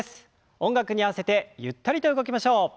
音楽に合わせてゆったりと動きましょう。